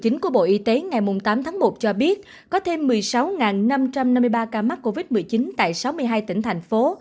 bản tin phòng chống dịch covid một mươi chín của bộ y tế ngày tám tháng một cho biết có thêm một mươi sáu năm trăm năm mươi ba ca mắc covid một mươi chín tại sáu mươi hai tỉnh thành phố